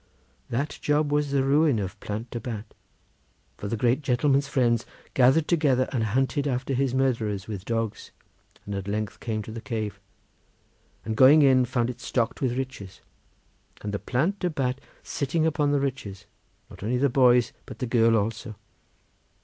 That job was the ruin of Plant de Bat, for the great gentleman's friends gathered together and hunted after his murderers with dogs, and at length came to the cave, and going in found it stocked with riches, and the Plant de Bat sitting upon the riches, not only the boys but the girl also.